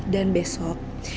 harga bulan negara ada